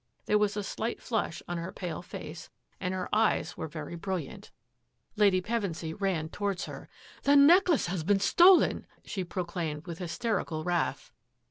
There was a slight flush on her pale face and her eyes were very brilliant. Lady Pevensy ran towards her. " The neck lace has been stolen !" she proclaimed with hys terical wrath.